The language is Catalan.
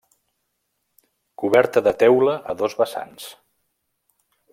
Coberta de teula a dos vessants.